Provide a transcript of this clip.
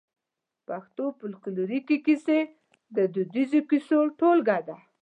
پښتو فولکلوريکي کيسې د دوديزو کيسو ټولګه ده.